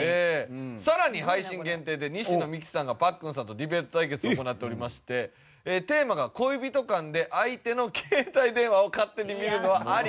さらに配信限定で西野未姫さんがパックンさんとディベート対決を行っておりましてテーマが恋人間で相手の携帯電話を勝手に見るのはアリ？